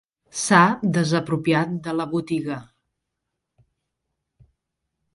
S'ha desapropiat de la botiga.